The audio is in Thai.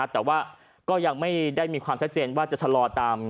แต่ว่าก็ยังไม่ได้มีความชัดเจนว่าจะชะลอตาม